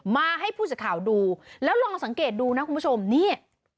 มาให้ผู้สื่อข่าวดูแล้วลองสังเกตดูนะคุณผู้ชมนี่